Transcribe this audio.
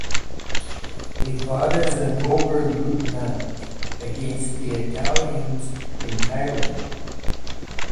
He fought as Oberleutnant against the Italians in Tyrol.